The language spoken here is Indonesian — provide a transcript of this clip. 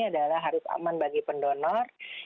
adalah harus aman bagi pendonor